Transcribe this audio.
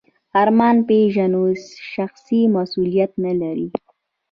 ارمان پيژو شخصي مسوولیت نهلري.